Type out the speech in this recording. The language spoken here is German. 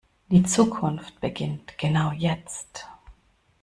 Die Zukunft beginnt genau jetzt.